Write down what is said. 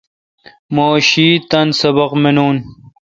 مہ شی تان سبق منون۔